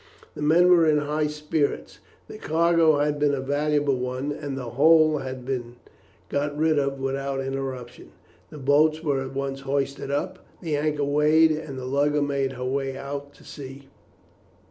The men were in high spirits. The cargo had been a valuable one, and the whole had been got rid of without interruption. The boats were at once hoisted up, the anchor weighed, and the lugger made her way out to sea.